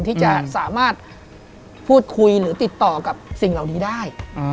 ที่จะสามารถพูดคุยหรือติดต่อกับสิ่งเหล่านี้ได้